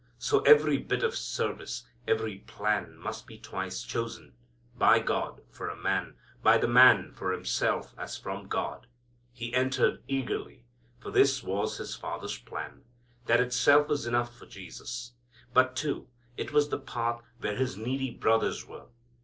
So every bit of service, every plan, must be twice chosen: by God for a man; by the man for himself as from God. He entered eagerly, for this was His Father's plan. That itself was enough for Jesus. But, too, it was the path where His needy brothers were.